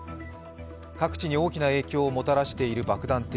各地に大きな影響をもたらしている爆弾